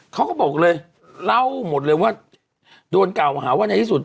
เขาบอกเลยเล่าหมดเลยว่าโดนกล่าวหาว่าในที่สุด